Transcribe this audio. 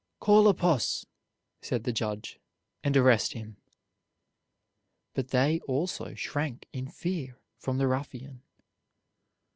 "Call a posse," said the judge, "and arrest him." But they also shrank in fear from the ruffian.